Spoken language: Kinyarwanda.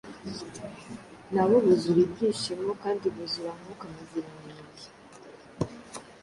nabo buzura ibyishimo kandi buzura Mwuka Muziranenge.”